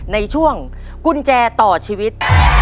ในช่วงกุญแจต่อชีวิต